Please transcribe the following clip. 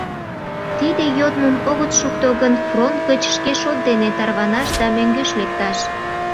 Тиде йодмым огыт шукто гын, фронт гыч шке шот дене тарванаш да мӧҥгеш лекташ.